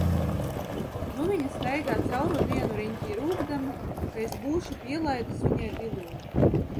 Nu viņa staigā cauru dienu riņķī rūkdama, ka es būšu pielaidis viņai diloni.